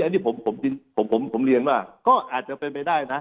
อันนี้ผมเรียนว่าก็อาจจะเป็นไปได้นะ